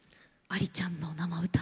ありちゃんの生歌。